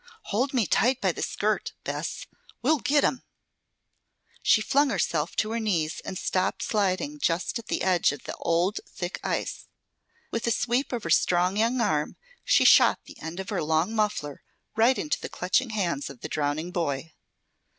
"Hold me tight by the skirt, Bess! We'll get him!" She flung herself to her knees and stopped sliding just at the edge of the old, thick ice. With a sweep of her strong young arm she shot the end of the long muffler right into the clutching hands of the drowning boy.